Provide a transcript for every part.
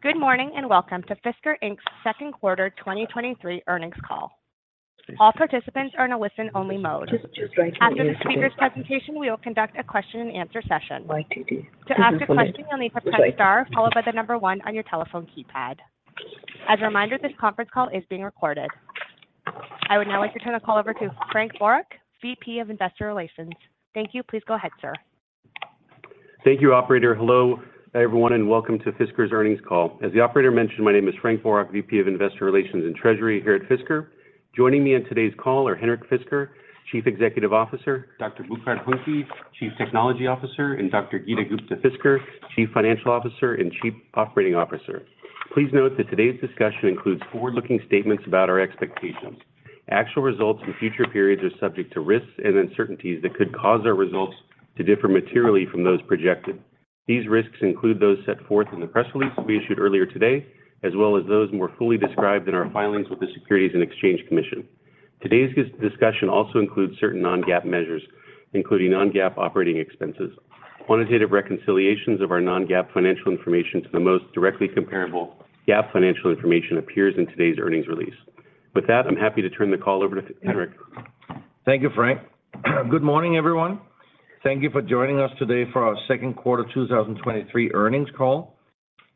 Good morning, and welcome to Fisker Inc's Second Quarter 2023 Earnings Call. All participants are in a listen-only mode. After the speaker's presentation, we will conduct a question-and-answer session. To ask a question, you'll need to press star followed by the number one on your telephone keypad. As a reminder, this conference call is being recorded. I would now like to turn the call over to Frank Boroch, VP of Investor Relations. Thank you. Please go ahead, sir. Thank you, operator. Hello, everyone, and welcome to Fisker's earnings call. As the operator mentioned, my name is Frank Boroch, VP of Investor Relations and Treasury here at Fisker. Joining me on today's call are Henrik Fisker, Chief Executive Officer, Dr. Burkhard Huhnke, Chief Technology Officer, and Dr. Geeta Gupta-Fisker, Chief Financial Officer and Chief Operating Officer. Please note that today's discussion includes forward-looking statements about our expectations. Actual results in future periods are subject to risks and uncertainties that could cause our results to differ materially from those projected. These risks include those set forth in the press release we issued earlier today, as well as those more fully described in our filings with the Securities and Exchange Commission. Today's discussion also includes certain non-GAAP measures, including non-GAAP operating expenses. Quantitative reconciliations of our non-GAAP financial information to the most directly comparable GAAP financial information appears in today's earnings release. With that, I'm happy to turn the call over to Henrik. Thank you, Frank. Good morning, everyone. Thank you for joining us today for our second quarter 2023 earnings call.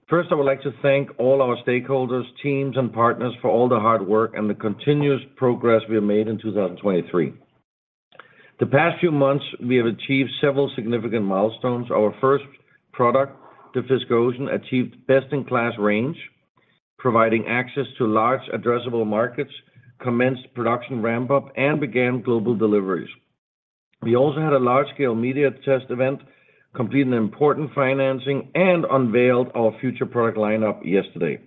First, I would like to thank all our stakeholders, teams, and partners for all the hard work and the continuous progress we have made in 2023. The past few months, we have achieved several significant milestones. Our first product, the Fisker Ocean, achieved best-in-class range, providing access to large addressable markets, commenced production ramp-up, and began global deliveries. We also had a large-scale media test event, completed an important financing, and unveiled our future product lineup yesterday.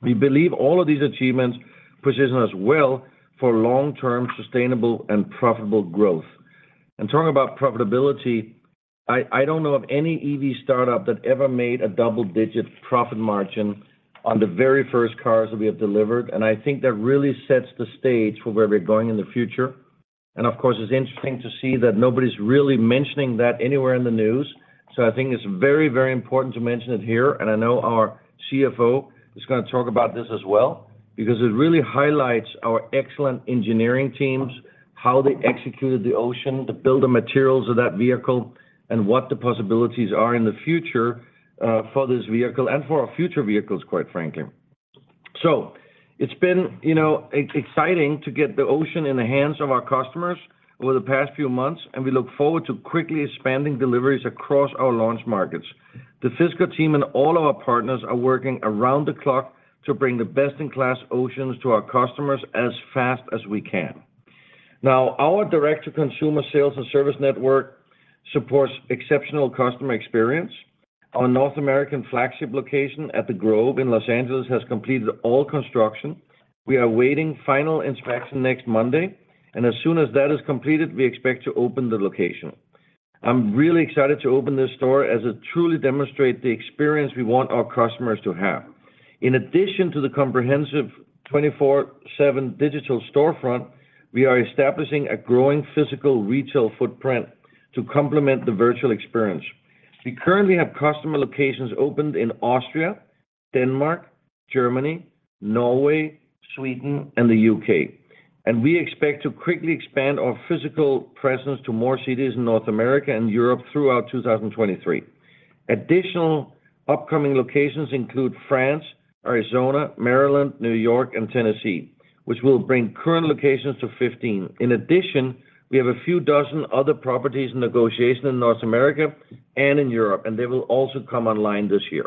We believe all of these achievements position us well for long-term sustainable and profitable growth. Talking about profitability, I don't know of any EV startup that ever made a double-digit profit margin on the very first cars that we have delivered, and I think that really sets the stage for where we're going in the future. Of course, it's interesting to see that nobody's really mentioning that anywhere in the news. I think it's very, very important to mention it here, and I know our CFO is gonna talk about this as well because it really highlights our excellent engineering teams, how they executed the Ocean, the bill of materials of that vehicle, and what the possibilities are in the future for this vehicle and for our future vehicles, quite frankly. It's been, you know, exciting to get the Ocean in the hands of our customers over the past few months, and we look forward to quickly expanding deliveries across our launch markets. The Fisker team and all of our partners are working around the clock to bring the best-in-class Oceans to our customers as fast as we can. Our direct-to-consumer sales and service network supports exceptional customer experience. Our North American flagship location at The Grove in Los Angeles has completed all construction. We are awaiting final inspection next Monday, and as soon as that is completed, we expect to open the location. I'm really excited to open this store as it truly demonstrate the experience we want our customers to have. In addition to the comprehensive 24/7 digital storefront, we are establishing a growing physical retail footprint to complement the virtual experience. We currently have customer locations opened in Austria, Denmark, Germany, Norway, Sweden, and the UK We expect to quickly expand our physical presence to more cities in North America and Europe throughout 2023. Additional upcoming locations include France, Arizona, Maryland, New York, and Tennessee, which will bring current locations to 15. We have a few dozen other properties in negotiation in North America and in Europe. They will also come online this year.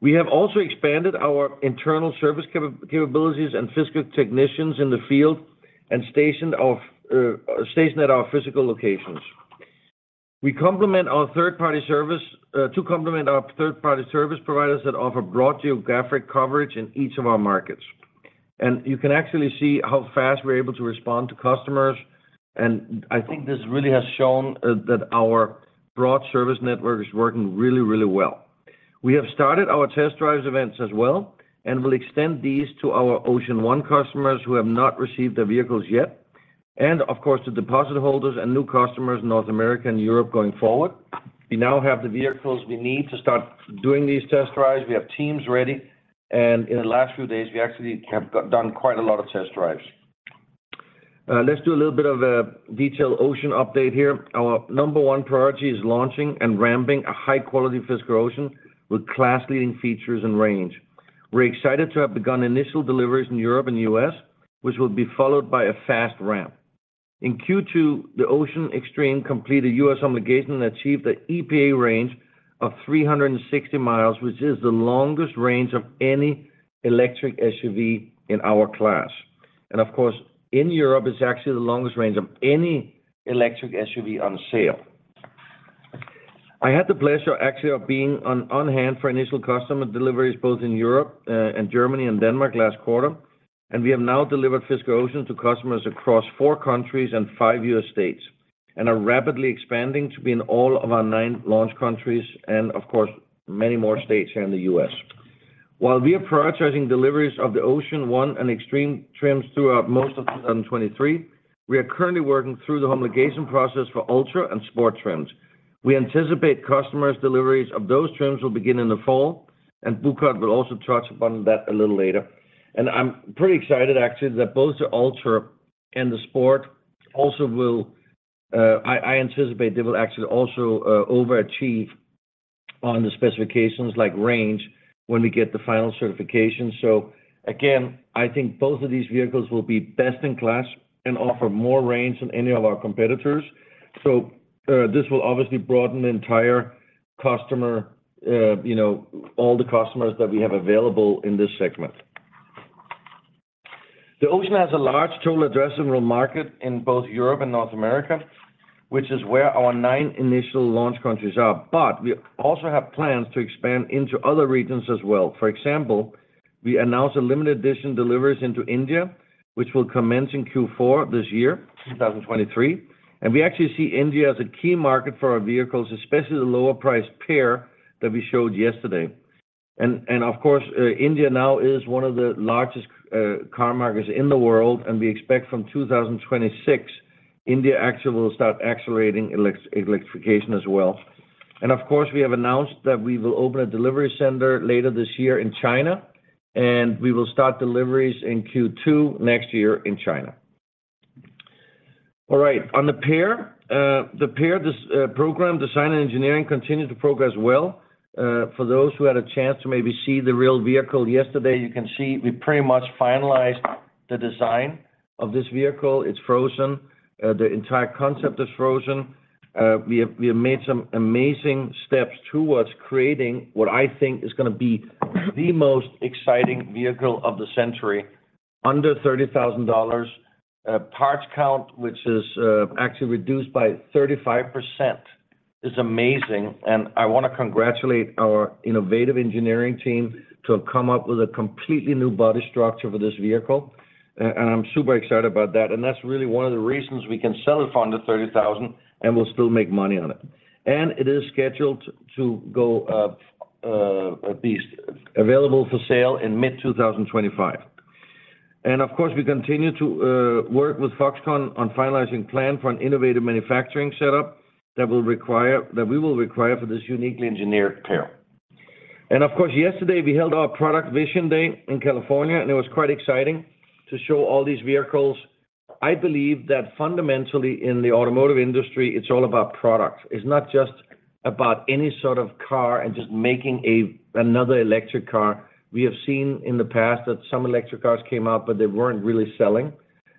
We have also expanded our internal service capabilities and Fisker technicians in the field and stationed at our physical locations. We complement our third-party service to complement our third-party service providers that offer broad geographic coverage in each of our markets. You can actually see how fast we're able to respond to customers, and I think this really has shown that our broad service network is working really, really well. We have started our test drives events as well and will extend these to our Ocean One customers who have not received their vehicles yet, and of course, to deposit holders and new customers in North America and Europe going forward. We now have the vehicles we need to start doing these test drives. We have teams ready, and in the last few days, we actually have done quite a lot of test drives. Let's do a little bit of a detailed Ocean update here. Our number one priority is launching and ramping a high-quality Fisker Ocean with class-leading features and range. We're excited to have begun initial deliveries in Europe and the US, which will be followed by a fast ramp. In second quarter, the Ocean Extreme completed US homologation and achieved an EPA range of 360 miles, which is the longest range of any electric SUV in our class. Of course, in Europe, it's actually the longest range of any electric SUV on sale. I had the pleasure, actually, of being on hand for initial customer deliveries, both in Europe and Germany and Denmark last quarter, and we have now delivered Fisker Ocean to customers across four countries and five US states, and are rapidly expanding to be in all of our nine launch countries and, of course, many more states here in the US While we are prioritizing deliveries of the Ocean One and Extreme trims throughout most of 2023, we are currently working through the homologation process for Ultra and Sport trims. We anticipate customers deliveries of those trims will begin in the fall. Burkhard will also touch upon that a little later. I'm pretty excited actually, that both the Ultra and the Sport also will I anticipate they will actually also, overachieve on the specifications like range, when we get the final certification. Again, I think both of these vehicles will be best in class and offer more range than any of our competitors. This will obviously broaden the entire customer, you know, all the customers that we have available in this segment. The Ocean has a large total addressable market in both Europe and North America, which is where our nine initial launch countries are. We also have plans to expand into other regions as well. For example, we announced a limited edition deliveries into India, which will commence in fourth quarter this year, 2023. We actually see India as a key market for our vehicles, especially the lower priced PEAR that we showed yesterday. Of course, India now is one of the largest car markets in the world, and we expect from 2026, India actually will start accelerating electrification as well. Of course, we have announced that we will open a delivery center later this year in China, and we will start deliveries in second quarter next year in China. All right. On the Pear, the Pear, this program design and engineering continues to progress well. For those who had a chance to maybe see the real vehicle yesterday, you can see we pretty much finalized the design of this vehicle. It's frozen, the entire concept is frozen. We have, we have made some amazing steps towards creating what I think is gonna be the most exciting vehicle of the century, under $30,000. Parts count, which is actually reduced by 35%, is amazing. I wanna congratulate our innovative engineering team to have come up with a completely new body structure for this vehicle. and I'm super excited about that, and that's really one of the reasons we can sell it for under $30,000, and we'll still make money on it. It is scheduled to go, at least available for sale in mid 2025. Of course, we continue to work with Foxconn on finalizing plan for an innovative manufacturing setup that we will require for this uniquely engineered PEAR. Of course, yesterday, we held our Product Vision Day in California, and it was quite exciting to show all these vehicles. I believe that fundamentally, in the automotive industry, it's all about product. It's not just about any sort of car and just making another electric car. We have seen in the past that some electric cars came out, but they weren't really selling.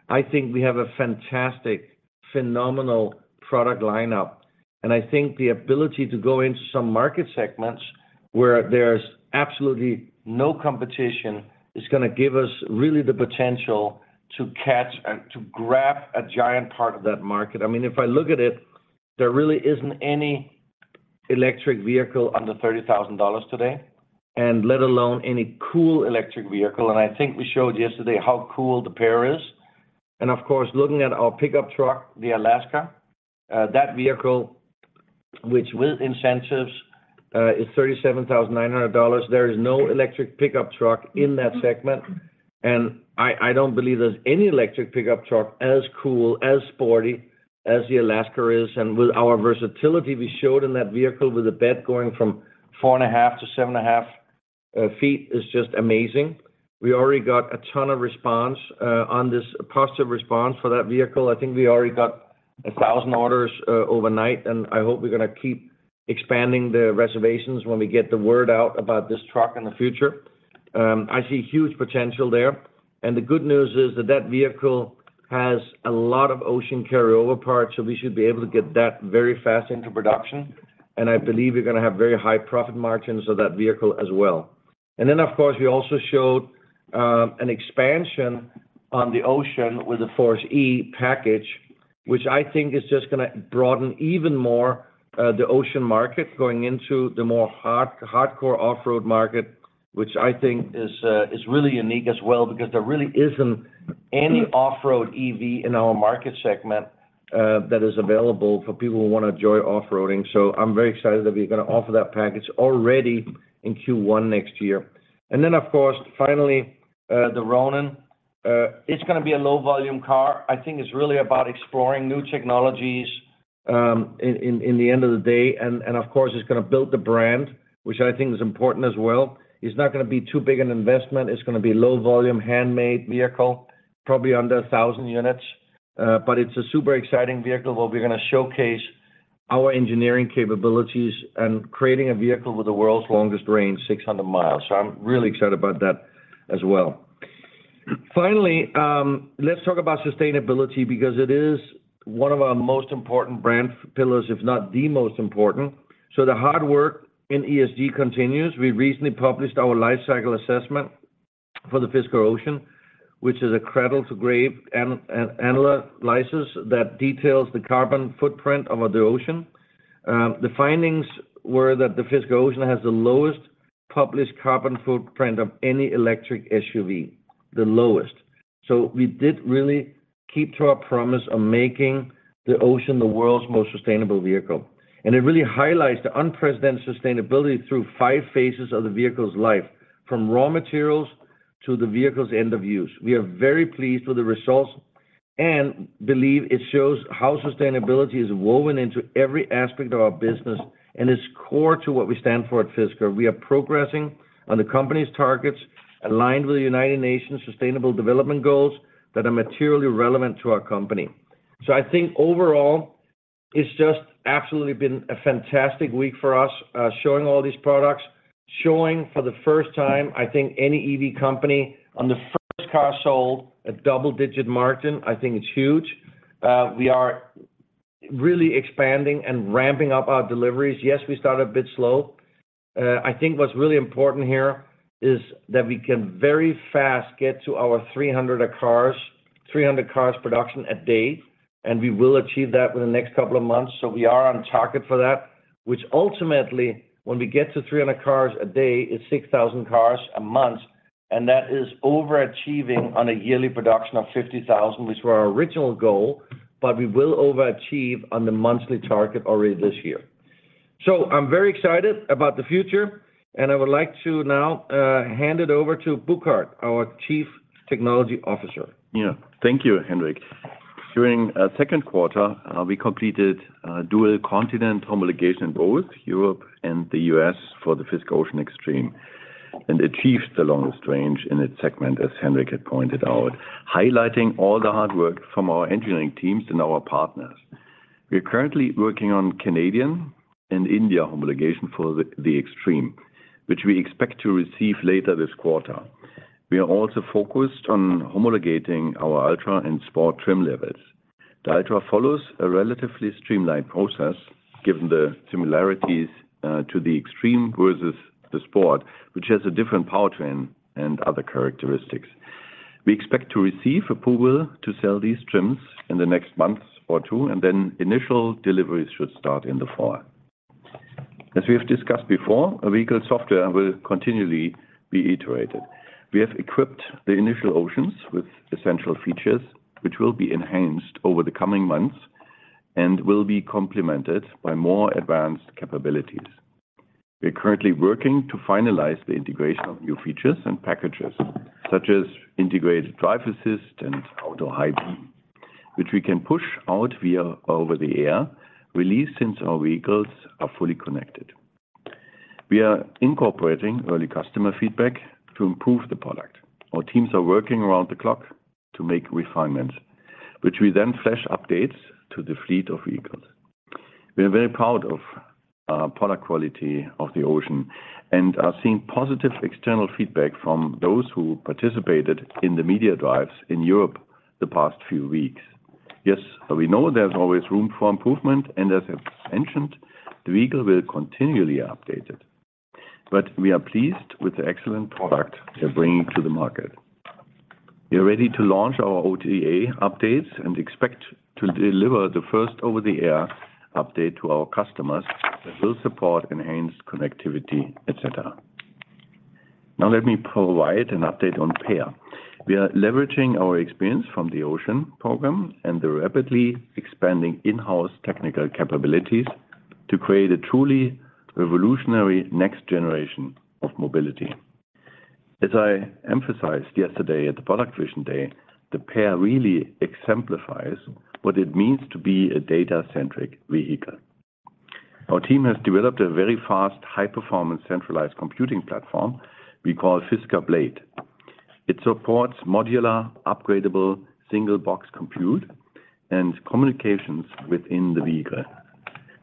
I think we have a fantastic, phenomenal product lineup, and I think the ability to go into some market segments where there's absolutely no competition, is going to give us really the potential to catch and to grab a giant part of that market. I mean, if I look at it, there really isn't any electric vehicle under $30,000 today, and let alone any cool electric vehicle. I think we showed yesterday how cool the PEAR is. Of course, looking at our pickup truck, the Alaska, that vehicle, which with incentives, is $37,900, there is no electric pickup truck in that segment. I don't believe there's any electric pickup truck as cool, as sporty as the Alaska is. With our versatility, we showed in that vehicle, with the bed going from 4.5 to 7.5 ft is just amazing. We already got a ton of response, positive response for that vehicle. I think we already got 1,000 orders overnight, and I hope we're gonna keep expanding the reservations when we get the word out about this truck in the future. I see huge potential there. The good news is that, that vehicle has a lot of Ocean carryover parts, so we should be able to get that very fast into production. I believe we're gonna have very high profit margins of that vehicle as well. Then, of course, we also showed an expansion on the Ocean with the Force E package, which I think is just gonna broaden even more the Ocean market going into the more hard- hardcore off-road market, which I think is really unique as well, because there really isn't any off-road EV in our market segment that is available for people who wanna enjoy off-roading. I'm very excited that we're gonna offer that package already in first quarter next year. Then, of course, finally, the Ronin. It's gonna be a low volume car. I think it's really about exploring new technologies in, in, in the end of the day. And of course, it's gonna build the brand, which I think is important as well. It's not gonna be too big an investment. It's gonna be low volume, handmade vehicle, probably under 1,000 units. It's a super exciting vehicle, where we're gonna showcase our engineering capabilities and creating a vehicle with the world's longest range, 600 miles. I'm really excited about that as well. Finally, let's talk about sustainability, because it is one of our most important brand pillars, if not the most important. The hard work in ESG continues. We recently published our Life Cycle Assessment for the Fisker Ocean, which is a cradle-to-grave an- an- analysis that details the carbon footprint of the Ocean. The findings were that the Fisker Ocean has the lowest published carbon footprint of any electric SUV, the lowest... We did really keep to our promise of making the Ocean the world's most sustainable vehicle. It really highlights the unprecedented sustainability through five phases of the vehicle's life, from raw materials to the vehicle's end of use. We are very pleased with the results and believe it shows how sustainability is woven into every aspect of our business, and is core to what we stand for at Fisker. We are progressing on the company's targets, aligned with the United Nations Sustainable Development Goals that are materially relevant to our company. I think overall, it's just absolutely been a fantastic week for us, showing all these products. Showing for the first time, I think any EV company on the first car sold a double-digit margin, I think it's huge. We are really expanding and ramping up our deliveries. Yes, we started a bit slow. I think what's really important here is that we can very fast get to our 300 cars, 300 cars production a day, and we will achieve that within the next couple of months. We are on target for that, which ultimately, when we get to 300 cars a day, is 6,000 cars a month, and that is overachieving on a yearly production of 50,000, which were our original goal, but we will overachieve on the monthly target already this year. I'm very excited about the future, and I would like to now, hand it over to Burkhard, our Chief Technology Officer. Yeah. Thank you, Henrik. During second quarter, we completed dual continent homologation in both Europe and the US for the Fisker Ocean Extreme, and achieved the longest range in its segment, as Henrik had pointed out, highlighting all the hard work from our engineering teams and our partners. We are currently working on Canadian and India homologation for the Extreme, which we expect to receive later this quarter. We are also focused on homologating our Ultra and Sport trim levels. The Ultra follows a relatively streamlined process, given the similarities to the Extreme versus the Sport, which has a different powertrain and other characteristics. We expect to receive approval to sell these trims in the next month or two. Initial deliveries should start in the fall. As we have discussed before, a vehicle software will continually be iterated. We have equipped the initial Oceans with essential features, which will be enhanced over the coming months, and will be complemented by more advanced capabilities. We are currently working to finalize the integration of new features and packages, such as Integrated Drive Assist and Auto High Beam, which we can push out via over-the-air release, since our vehicles are fully connected. We are incorporating early customer feedback to improve the product. Our teams are working around the clock to make refinements, which we then flash updates to the fleet of vehicles. We are very proud of our product quality of the Ocean, and are seeing positive external feedback from those who participated in the media drives in Europe the past few weeks. Yes, we know there's always room for improvement, and as I've mentioned, the vehicle will continually be updated, but we are pleased with the excellent product we're bringing to the market. We are ready to launch our OTA updates, and expect to deliver the first over-the-air update to our customers that will support enhanced connectivity, et cetera. Now, let me provide an update on PEAR. We are leveraging our experience from the Ocean program and the rapidly expanding in-house technical capabilities to create a truly revolutionary next generation of mobility. As I emphasized yesterday at the Product Vision Day, the PEAR really exemplifies what it means to be a data-centric vehicle. Our team has developed a very fast, high-performance, centralized computing platform we call Fisker Blade. It supports modular, upgradable, single box compute and communications within the vehicle.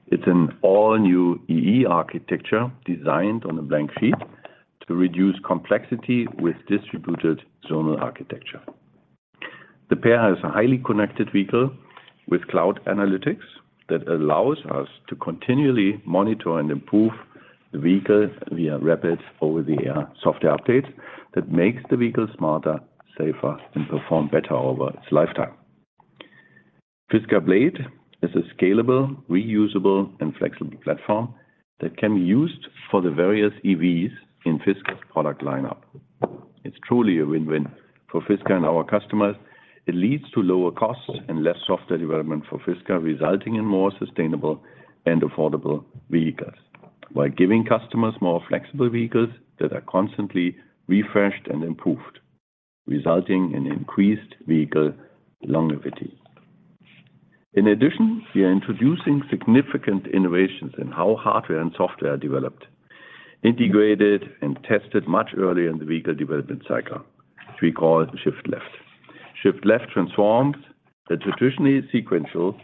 It's an all-new E/E architecture, designed on a blank sheet to reduce complexity with distributed zonal architecture. The PEAR is a highly connected vehicle with cloud analytics that allows us to continually monitor and improve the vehicle via rapid over-the-air software updates that makes the vehicle smarter, safer, and perform better over its lifetime. Fisker Blade is a scalable, reusable, and flexible platform that can be used for the various EVs in Fisker's product lineup. It's truly a win-win for Fisker and our customers. It leads to lower costs and less software development for Fisker, resulting in more sustainable and affordable vehicles, while giving customers more flexible vehicles that are constantly refreshed and improved, resulting in increased vehicle longevity. In addition, we are introducing significant innovations in how hardware and software are developed, integrated, and tested much earlier in the vehicle development cycle, which we call shift left. Shift Left transforms the traditionally sequential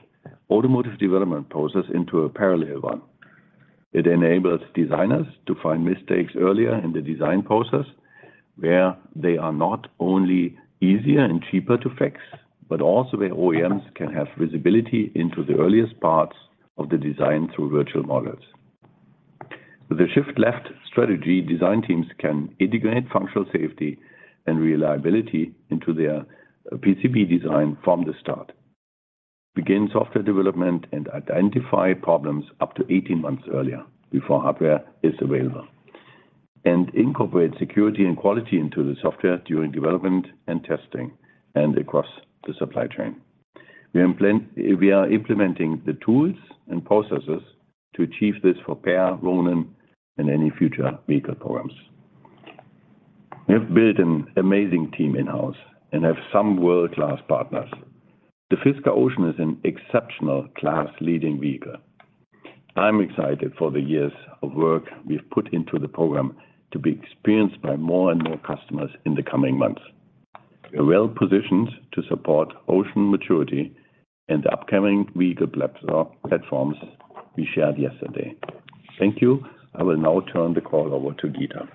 automotive development process into a parallel one. It enables designers to find mistakes earlier in the design process, where they are not only easier and cheaper to fix, but also where OEMs can have visibility into the earliest parts of the design through virtual models. With the Shift Left strategy, design teams can integrate functional safety and reliability into their PCB design from the start. Begin software development and identify problems up to 18 months earlier before hardware is available, and incorporate security and quality into the software during development and testing and across the supply chain. We are implementing the tools and processes to achieve this for PEAR, Ronin, and any future vehicle programs. We have built an amazing team in-house and have some world-class partners. The Fisker Ocean is an exceptional class-leading vehicle. I'm excited for the years of work we've put into the program to be experienced by more and more customers in the coming months. We are well positioned to support Ocean maturity and the upcoming vehicle platforms we shared yesterday. Thank you. I will now turn the call over to Geeta.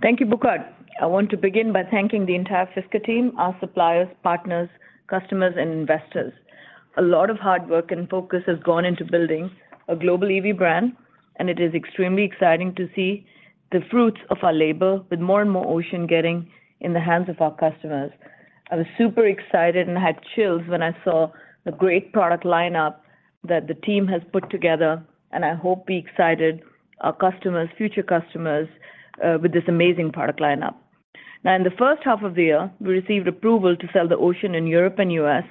Thank you, Burkhard. I want to begin by thanking the entire Fisker team, our suppliers, partners, customers, and investors. A lot of hard work and focus has gone into building a global EV brand. It is extremely exciting to see the fruits of our labor with more and more Ocean getting in the hands of our customers. I was super excited and had chills when I saw the great product lineup that the team has put together. I hope we excited our customers, future customers, with this amazing product lineup. In the first half of the year, we received approval to sell the Ocean in Europe and US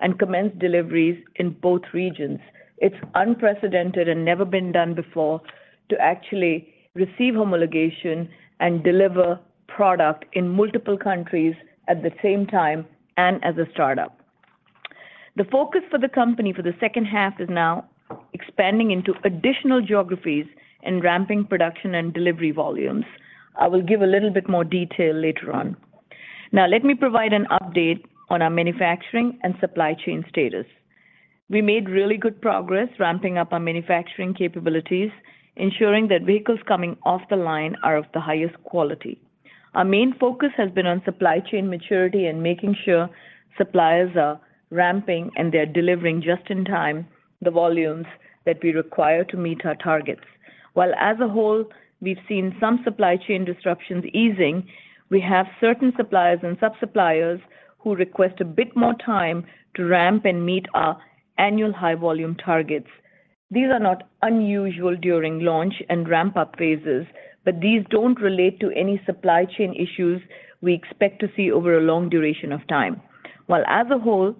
and commenced deliveries in both regions. It's unprecedented and never been done before to actually receive homologation and deliver product in multiple countries at the same time and as a startup. The focus for the company for the second half is now expanding into additional geographies and ramping production and delivery volumes. I will give a little bit more detail later on. Now, let me provide an update on our manufacturing and supply chain status. We made really good progress ramping up our manufacturing capabilities, ensuring that vehicles coming off the line are of the highest quality. Our main focus has been on supply chain maturity and making sure suppliers are ramping, and they're delivering just in time, the volumes that we require to meet our targets. While as a whole, we've seen some supply chain disruptions easing, we have certain suppliers and sub-suppliers who request a bit more time to ramp and meet our annual high volume targets. These are not unusual during launch and ramp-up phases, but these don't relate to any supply chain issues we expect to see over a long duration of time. While as a whole,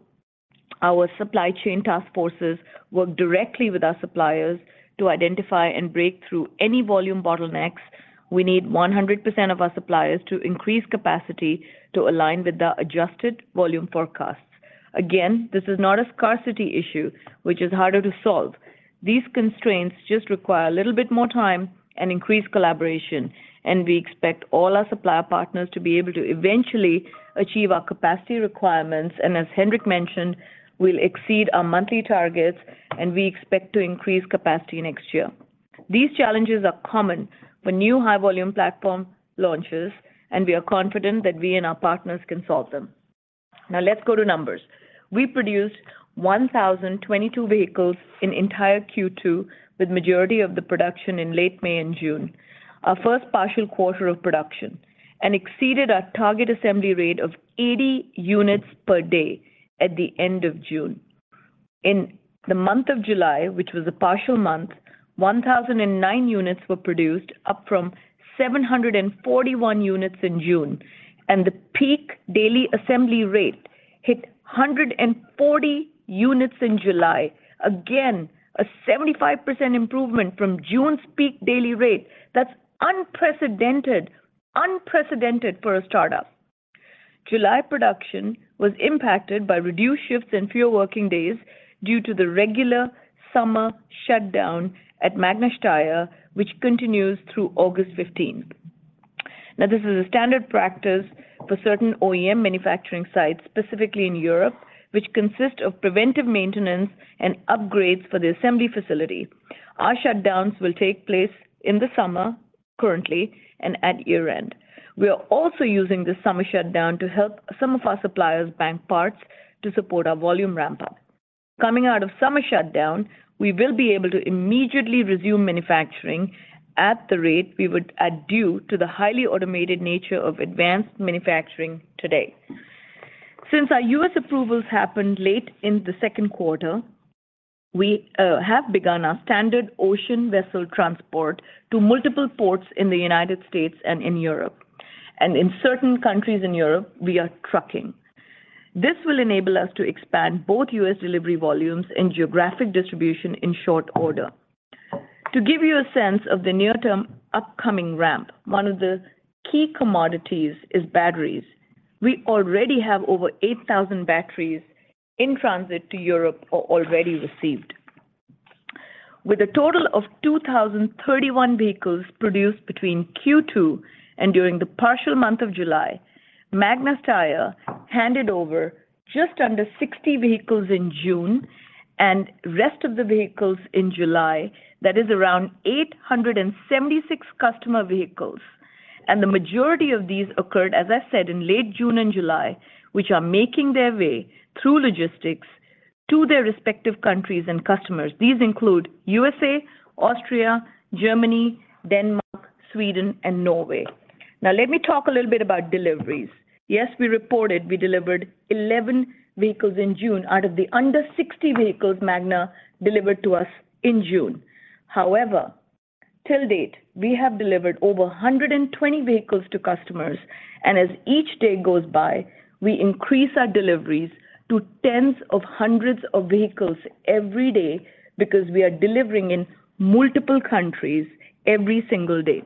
our supply chain task forces work directly with our suppliers to identify and break through any volume bottlenecks, we need 100% of our suppliers to increase capacity to align with the adjusted volume forecasts. Again, this is not a scarcity issue which is harder to solve. These constraints just require a little bit more time and increased collaboration, and we expect all our supplier partners to be able to eventually achieve our capacity requirements, and as Henrik mentioned, we'll exceed our monthly targets, and we expect to increase capacity next year. These challenges are common for new high-volume platform launches, and we are confident that we and our partners can solve them. Now let's go to numbers. We produced 1,022 vehicles in entire second quarter, with majority of the production in late May and June, our first partial quarter of production, and exceeded our target assembly rate of 80 units per day at the end of June. In the month of July, which was a partial month, 1,009 units were produced, up from 741 units in June, and the peak daily assembly rate hit 140 units in July. Again, a 75% improvement from June's peak daily rate. That's unprecedented, unprecedented for a startup! July production was impacted by reduced shifts and fewer working days due to the regular summer shutdown at Magna Steyr, which continues through August 15th. This is a standard practice for certain OEM manufacturing sites, specifically in Europe, which consist of preventive maintenance and upgrades for the assembly facility. Our shutdowns will take place in the summer, currently, and at year-end. We are also using this summer shutdown to help some of our suppliers bank parts to support our volume ramp-up. Coming out of summer shutdown, we will be able to immediately resume manufacturing at the rate we would are due to the highly automated nature of advanced manufacturing today. Since our US approvals happened late in the second quarter, we have begun our standard Ocean vessel transport to multiple ports in the United States and in Europe. In certain countries in Europe, we are trucking. This will enable us to expand both US delivery volumes and geographic distribution in short order. To give you a sense of the near-term upcoming ramp, one of the key commodities is batteries. We already have over 8,000 batteries in transit to Europe or already received. With a total of 2,031 vehicles produced between second quarter and during the partial month of July, Magna Steyr handed over just under 60 vehicles in June and rest of the vehicles in July. That is around 876 customer vehicles, and the majority of these occurred, as I said, in late June and July, which are making their way through logistics to their respective countries and customers. These include USA, Austria, Germany, Denmark, Sweden, and Norway. Let me talk a little bit about deliveries. Yes, we reported we delivered 11 vehicles in June out of the under 60 vehicles Magna delivered to us in June. However, till date, we have delivered over 120 vehicles to customers, and as each day goes by, we increase our deliveries to tens of hundreds of vehicles every day because we are delivering in multiple countries every single day.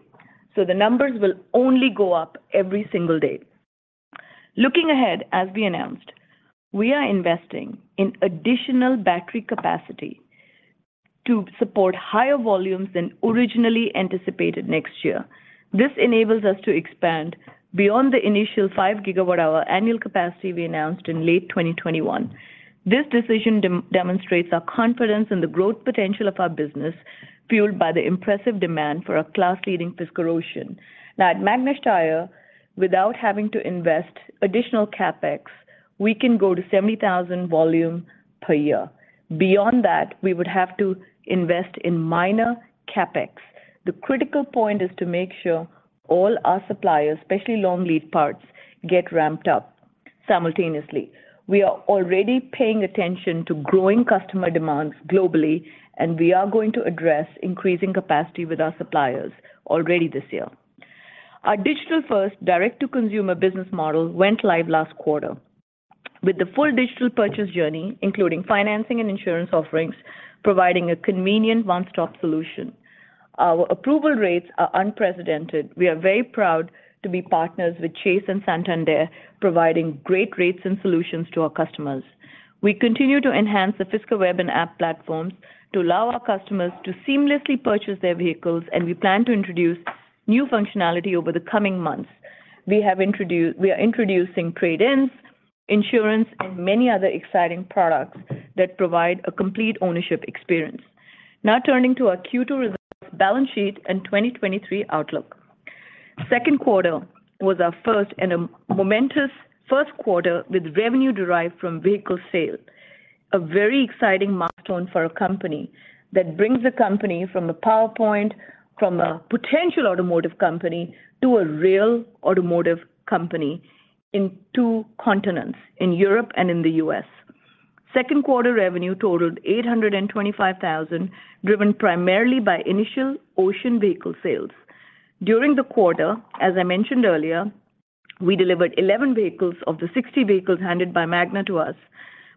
The numbers will only go up every single day. Looking ahead, as we announced, we are investing in additional battery capacity to support higher volumes than originally anticipated next year. This enables us to expand beyond the initial 5 gigawatt hour annual capacity we announced in late 2021. This decision demonstrates our confidence in the growth potential of our business, fueled by the impressive demand for our class-leading Fisker Ocean. Now, at Magna Steyr, without having to invest additional CapEx, we can go to 70,000 volume per year. Beyond that, we would have to invest in minor CapEx. The critical point is to make sure all our suppliers, especially long lead parts, get ramped up simultaneously. We are already paying attention to growing customer demands globally. We are going to address increasing capacity with our suppliers already this year. Our digital-first, direct-to-consumer business model went live last quarter with the full digital purchase journey, including financing and insurance offerings, providing a convenient one-stop solution. Our approval rates are unprecedented. We are very proud to be partners with Chase and Santander, providing great rates and solutions to our customers. We continue to enhance the Fisker web and app platforms to allow our customers to seamlessly purchase their vehicles. We plan to introduce new functionality over the coming months. We are introducing trade-ins, insurance, and many other exciting products that provide a complete ownership experience. Now, turning to our second quarter results, balance sheet, and 2023 outlook. Second quarter was our first and a momentous first quarter with revenue derived from vehicle sales. A very exciting milestone for a company that brings the company from a PowerPoint, from a potential automotive company to a real automotive company in two continents, in Europe and in the US Second quarter revenue totaled $825,000, driven primarily by initial Ocean vehicle sales. During the quarter, as I mentioned earlier, we delivered 11 vehicles of the 60 vehicles handed by Magna to us,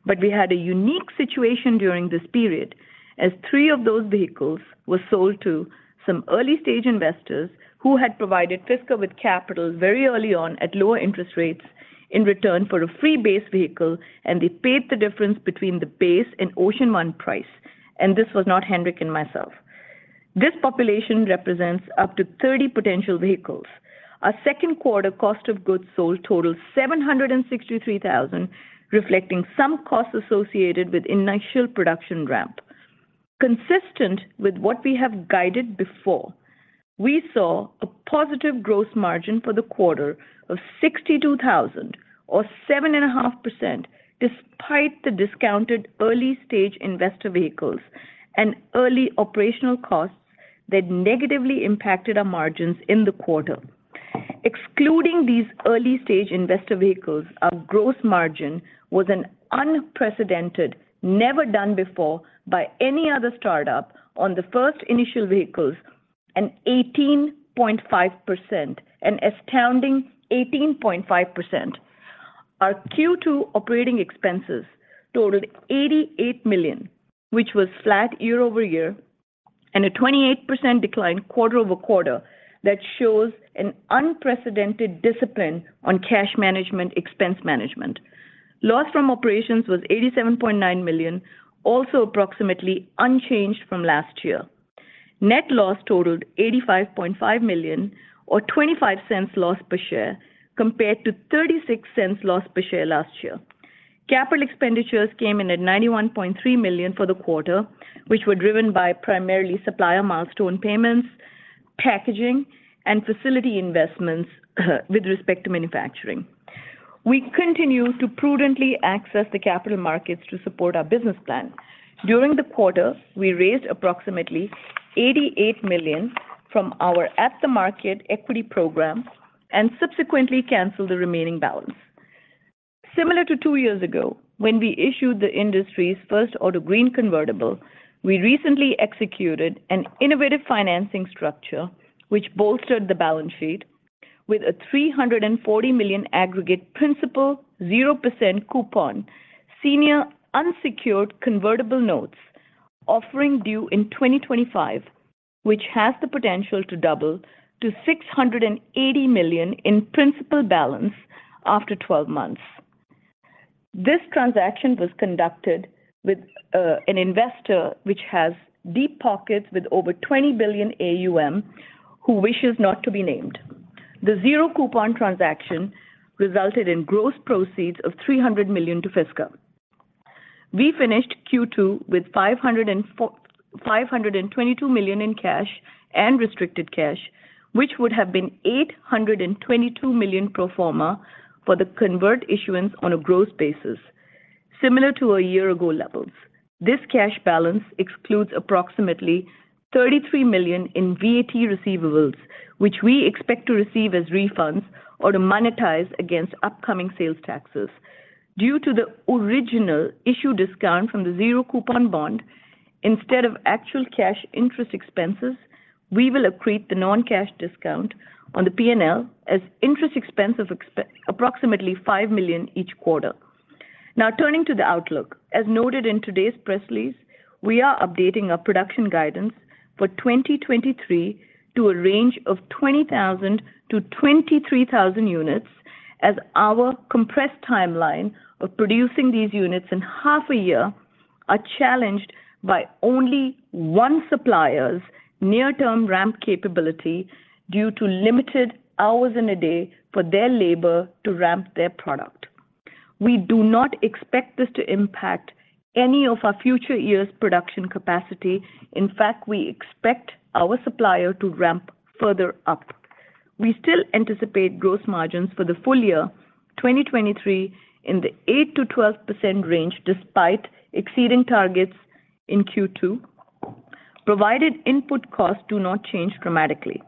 but we had a unique situation during this period, as three of those vehicles were sold to some early-stage investors who had provided Fisker with capital very early on at lower interest rates in return for a free base vehicle, and they paid the difference between the base and Ocean One price, and this was not Henrik and myself. This population represents up to 30 potential vehicles. Our second quarter cost of goods sold totaled $763,000, reflecting some costs associated with initial production ramp. Consistent with what we have guided before, we saw a positive gross margin for the quarter of $62,000 or 7.5%, despite the discounted early-stage investor vehicles and early operational costs that negatively impacted our margins in the quarter. Excluding these early-stage investor vehicles, our gross margin was an unprecedented, never done before by any other startup on the first initial vehicles, an 18.5%, an astounding 18.5%. Our second quarter operating expenses totaled $88 million, which was flat year-over-year and a 28% decline quarter-over-quarter. That shows an unprecedented discipline on cash management, expense management. Loss from operations was $87.9 million, also approximately unchanged from last year. Net loss totaled $85.5 million or $0.25 loss per share, compared to $0.36 loss per share last year. Capital expenditures came in at $91.3 million for the quarter, which were driven by primarily supplier milestone payments, packaging, and facility investments with respect to manufacturing. We continue to prudently access the capital markets to support our business plan. During the quarter, we raised approximately $88 million from our at-the-market equity program and subsequently canceled the remaining balance. Similar to two years ago, when we issued the industry's first auto Green Convertible, we recently executed an innovative financing structure, which bolstered the balance sheet with a $340 million aggregate principal, 0% coupon, senior unsecured convertible notes offering due in 2025, which has the potential to double to $680 million in principal balance after 12 months. This transaction was conducted with an investor which has deep pockets with over $20 billion AUM, who wishes not to be named. The zero coupon transaction resulted in gross proceeds of $300 million to Fisker. We finished second quarter with $522 million in cash and restricted cash, which would have been $822 million pro forma for the convert issuance on a gross basis, similar to year-ago levels. This cash balance excludes approximately $33 million in VAT receivables, which we expect to receive as refunds or to monetize against upcoming sales taxes. Due to the original issue discount from the zero coupon bond, instead of actual cash interest expenses, we will accrete the non-cash discount on the P&L as interest expense of approximately $5 million each quarter. Turning to the outlook. As noted in today's press release, we are updating our production guidance for 2023 to a range of 20,000 to 23,000 units, as our compressed timeline of producing these units in half a year are challenged by only one supplier's near-term ramp capability due to limited hours in a day for their labor to ramp their product. We do not expect this to impact any of our future years' production capacity. In fact, we expect our supplier to ramp further up. We still anticipate gross margins for the full year 2023 in the 8% to 12% range, despite exceeding targets in second quarter, provided input costs do not change dramatically.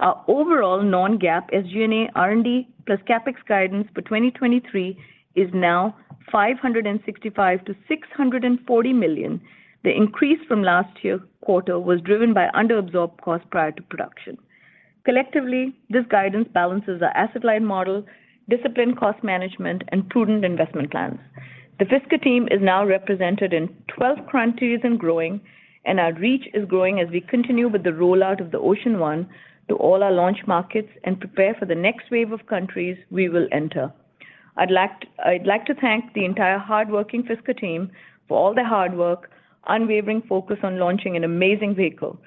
Our overall non-GAAP SG&A R&D plus CapEx guidance for 2023 is now $565 to 640 million. The increase from last year's quarter was driven by under-absorbed costs prior to production. Collectively, this guidance balances our asset-light model, disciplined cost management, and prudent investment plans. The Fisker team is now represented in 12 countries and growing. Our reach is growing as we continue with the rollout of the Ocean One to all our launch markets and prepare for the next wave of countries we will enter. I'd like to thank the entire hardworking Fisker team for all their hard work, unwavering focus on launching an amazing vehicle,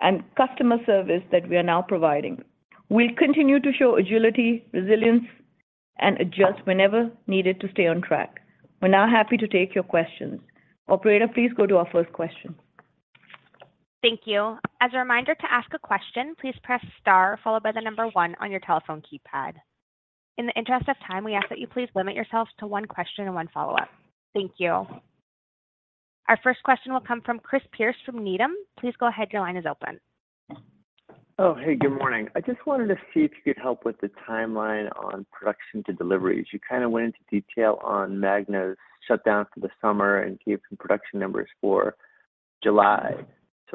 and customer service that we are now providing. We'll continue to show agility, resilience, and adjust whenever needed to stay on track. We're now happy to take your questions. Operator, please go to our first question. Thank you. As a reminder to ask a question, please press star followed by the number one on your telephone keypad. In the interest of time, we ask that you please limit yourself to one question and one follow-up. Thank you. Our first question will come from Chris Pierce from Needham. Please go ahead. Your line is open. Oh, hey, good morning. I just wanted to see if you could help with the timeline on production to deliveries. You kind of went into detail on Magna's shutdown for the summer and gave some production numbers for July.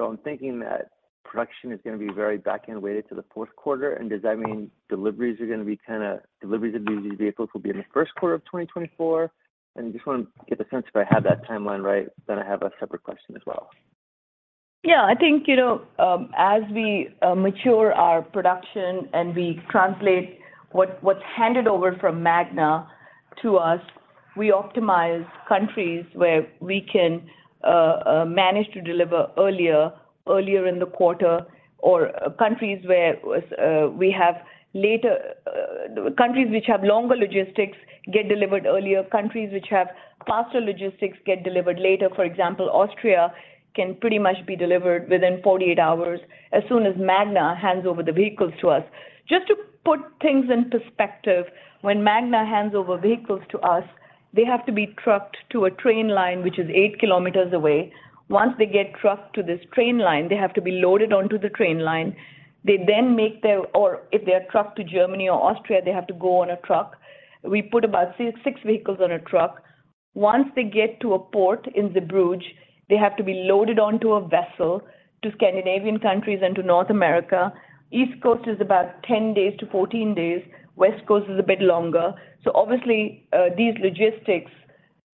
I'm thinking that production is going to be very back-end weighted to the fourth quarter. Does that mean deliveries are going to be kind of deliveries of these vehicles will be in the first quarter of 2024? I just want to get the sense if I have that timeline right, then I have a separate question as well. Yeah, I think, you know, as we mature our production and we translate what, what's handed over from Magna to us, we optimize countries where we can manage to deliver earlier, earlier in the quarter or countries where we have countries which have longer logistics get delivered earlier, countries which have faster logistics get delivered later. For example, Austria can pretty much be delivered within 48 hours as soon as Magna hands over the vehicles to us. Just to put things in perspective, when Magna hands over vehicles to us, they have to be trucked to a train line, which is 8 kilometers away. Once they get trucked to this train line, they have to be loaded onto the train line. If they are trucked to Germany or Austria, they have to go on a truck. We put about six, six vehicles on a truck. Once they get to a port in Zeebrugge, they have to be loaded onto a vessel to Scandinavian countries and to North America. East Coast is about 10 days to 14 days. West Coast is a bit longer. Obviously, these logistics,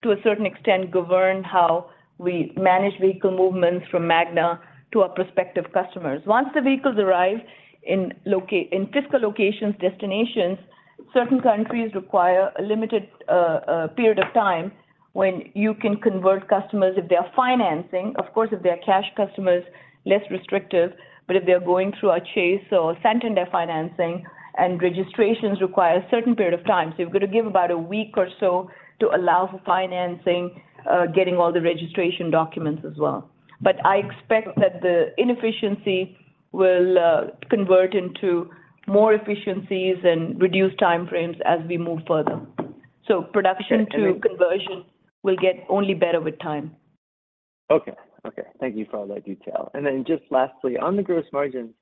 to a certain extent, govern how we manage vehicle movements from Magna to our prospective customers. Once the vehicles arrive in loca-- in Fisker locations, destinations, certain countries require a limited period of time when you can convert customers, if they are financing. Of course, if they are cash customers, less restrictive, but if they are going through a Chase or Santander financing, and registrations require a certain period of time. You've got to give about a week or so to allow for financing, getting all the registration documents as well. I expect that the inefficiency will convert into more efficiencies and reduce time frames as we move further. Production to conversion will get only better with time. Okay. Okay, thank you for all that detail. Just lastly, on the gross margin,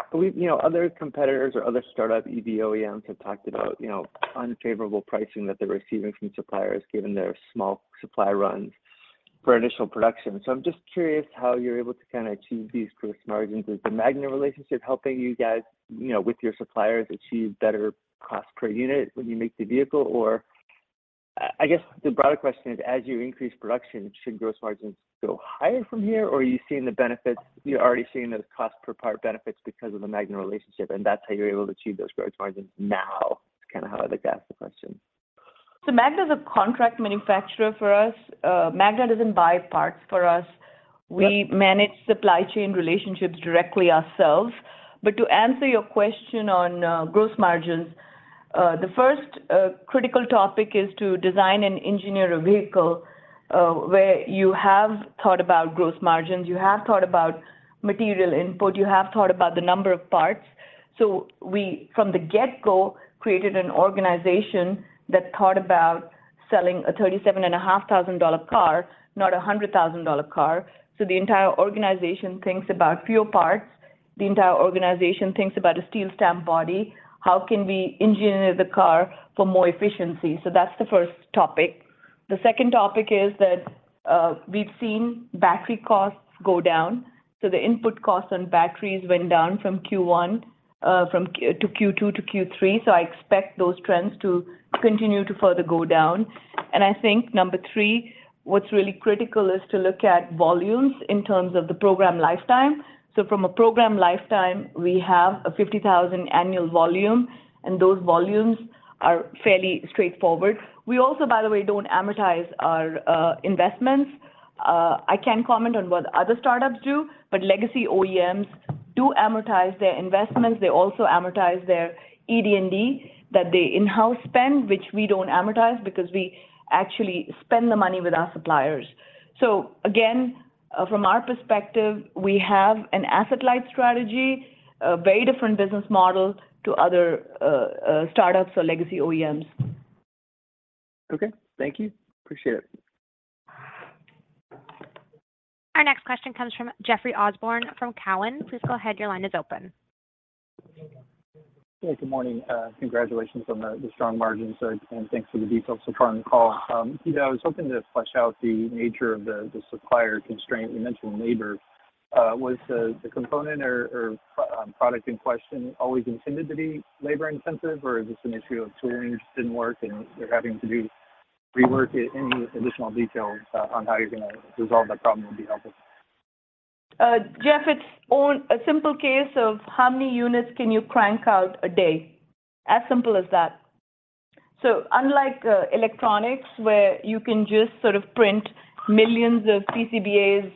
I believe, you know, other competitors or other startup EV OEMs have talked about, you know, unfavorable pricing that they're receiving from suppliers given their small supply runs for initial production. I'm just curious how you're able to kind of achieve these gross margins. Is the Magna relationship helping you guys, you know, with your suppliers, achieve better cost per unit when you make the vehicle? I guess the broader question is, as you increase production, should gross margins go higher from here, or are you seeing the benefits, you're already seeing those cost per part benefits because of the Magna relationship, and that's how you're able to achieve those gross margins now? It's kind of how I'd ask the question. Magna is a contract manufacturer for us. Magna doesn't buy parts for us. Yeah. We manage supply chain relationships directly ourselves. To answer your question on gross margins, the first critical topic is to design and engineer a vehicle where you have thought about gross margins, you have thought about material input, you have thought about the number of parts. We, from the get-go, created an organization that thought about selling a $37,500 car, not a $100,000 car. The entire organization thinks about fewer parts. The entire organization thinks about a steel stamp body. How can we engineer the car for more efficiency? That's the first topic. The second topic is that we've seen battery costs go down, so the input costs on batteries went down from first quarter to second quarter to third quarter, so I expect those trends to continue to further go down. I think number three, what's really critical is to look at volumes in terms of the program lifetime. From a program lifetime, we have a 50,000 annual volume, and those volumes are fairly straightforward. We also, by the way, don't amortize our investments. I can't comment on what other startups do, but legacy OEMs do amortize their investments. They also amortize their ED&D that they in-house spend, which we don't amortize because we actually spend the money with our suppliers. Again, from our perspective, we have an asset-light strategy, a very different business model to other startups or legacy OEMs. Okay. Thank you. Appreciate it. Our next question comes from Jeffrey Osborne from Cowen. Please go ahead. Your line is open. Hey, good morning. Congratulations on the, the strong margins, and thanks for the details so far on the call. You know, I was hoping to flesh out the nature of the, the supplier constraint. You mentioned labor. Was the, the component or product in question always intended to be labor-intensive, or is this an issue of toolings didn't work, and they're having to do rework? Any additional details on how you're gonna resolve that problem would be helpful. Jeff, it's on a simple case of how many units can you crank out a day? As simple as that. Unlike electronics, where you can just sort of print millions of PCBAs,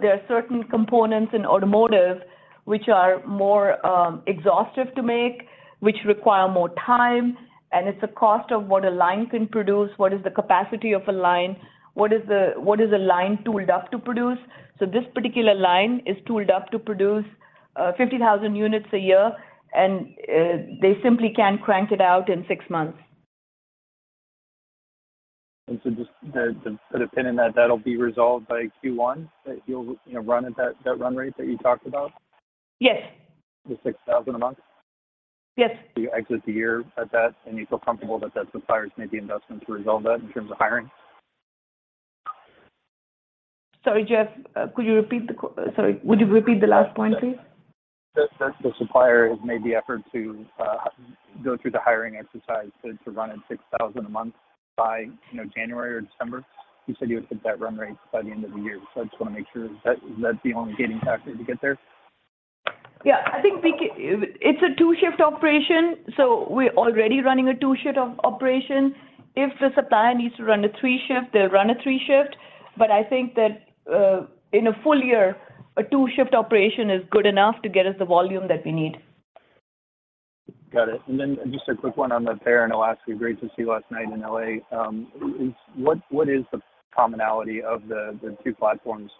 there are certain components in automotive which are more exhaustive to make, which require more time, and it's a cost of what a line can produce. What is the capacity of a line? What is a line tooled up to produce? This particular line is tooled up to produce 50,000 units a year, and they simply can't crank it out in six months. So just the, to put a pin in that, that'll be resolved by first quarter, that you'll, you know, run at that, that run rate that you talked about? Yes. The $6,000 a month? Yes. You exit the year at that, and you feel comfortable that the suppliers made the investment to resolve that in terms of hiring? Sorry, Jeff, could you repeat the sorry, would you repeat the last point, please? That, that the supplier has made the effort to go through the hiring exercise to run at 6,000 a month by, you know, January or December. You said you would hit that run rate by the end of the year, so I just want to make sure that that's the only gating factor to get there. Yeah, I think we it's a two-shift operation, so we're already running a two-shift of operation. If the supplier needs to run a three shift, they'll run a three shift, but I think that in a full year, a two-shift operation is good enough to get us the volume that we need. Got it. Just a quick one on the Fisker PEAR and Fisker Alaska. Great to see you last night in L.A. What is the commonality of the two platforms,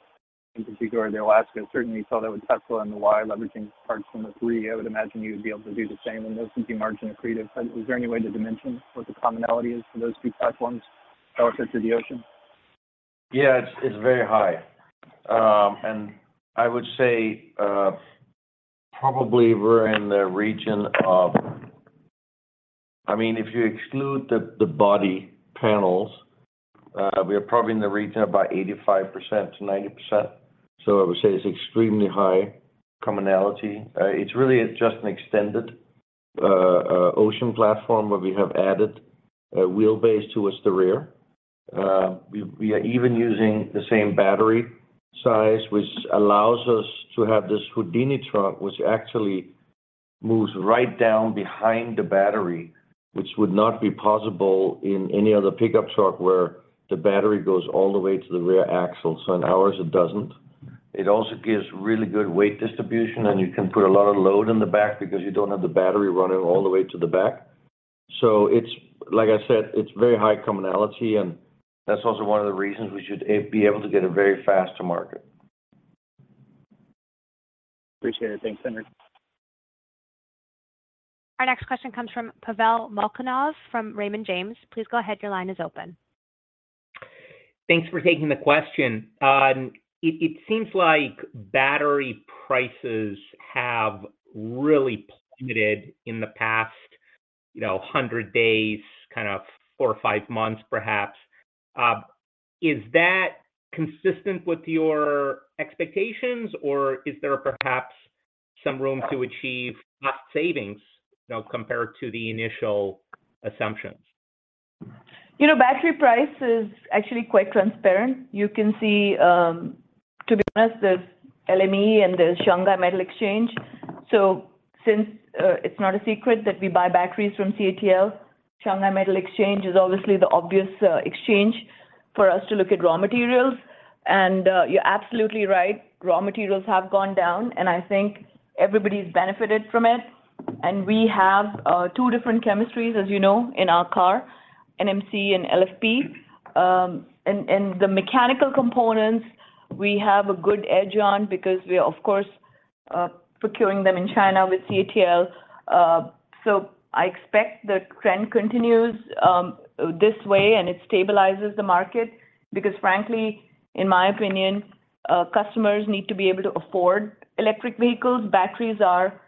in particular the Fisker Alaska? Certainly, you saw that with Tesla and the Y leveraging parts from the Three. I would imagine you'd be able to do the same, and those seem margin accretive. Is there any way to dimension what the commonality is for those two platforms, closer to the Fisker Ocean? Yeah, it's, it's very high. I would say, probably we're in the region of, I mean, if you exclude the, the body panels, we are probably in the region of about 85% to 90%. I would say it's extremely high commonality. It's really just an extended Ocean platform, where we have added a wheelbase towards the rear. We are even using the same battery size, which allows us to have this Houdini trunk, which actually moves right down behind the battery, which would not be possible in any other pickup truck where the battery goes all the way to the rear axle. In ours, it doesn't. It also gives really good weight distribution, and you can put a lot of load in the back because you don't have the battery running all the way to the back.It's, like I said, it's very high commonality, and that's also one of the reasons we should be able to get a very fast to market. Appreciate it. Thanks, Henrik. Our next question comes from Pavel Molchanov from Raymond James. Please go ahead. Your line is open. Thanks for taking the question. It seems like battery prices have really plummeted in the past, you know, 100 days, kind of four or five months, perhaps. Is that consistent with your expectations, or is there perhaps some room to achieve cost savings, you know, compared to the initial assumptions? You know, battery price is actually quite transparent. You can see, to be honest, there's LME and there's Shanghai Metal Exchange. Since it's not a secret that we buy batteries from CATL, Shanghai Metal Exchange is obviously the obvious exchange for us to look at raw materials, and you're absolutely right, raw materials have gone down, and I think everybody's benefited from it. We have two different chemistries, as you know, in our car, NMC and LFP. And the mechanical components we have a good edge on because we are, of course, procuring them in China with CATL. I expect the trend continues this way, and it stabilizes the market. Because frankly, in my opinion, customers need to be able to afford electric vehicles. Batteries are